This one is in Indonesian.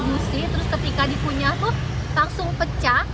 gusi terus ketika dipunya tuh langsung pecah